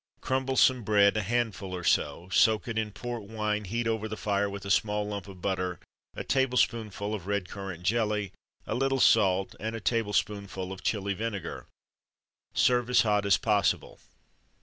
Crumble some bread a handful or so soak it in port wine, heat over the fire with a small lump of butter, a tablespoonful of red currant jelly, a little salt, and a tablespoonful of Chili vinegar. Serve as hot as possible.